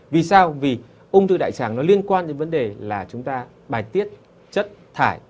vì sao vì ung thư đại tràng nó liên quan đến vấn đề là chúng ta bài tiết chất thải